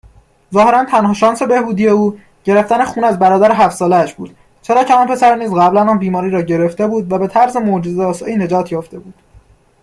ظاهراً تنها شانس بهبودی او، گرفتن خون از برادر هفت ساله اش بود، چرا که آن پسر نیز قبلا آن بیماری را گرفته بود و به طرز معجزه آسایی نجات یافته بود